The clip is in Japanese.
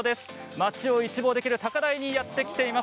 町を一望できる高台にやって来ています。